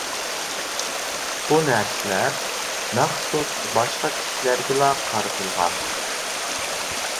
بۇ «نەرسىلەر» مەخسۇس باشقا كىشىلەرگىلا قارىتىلغان.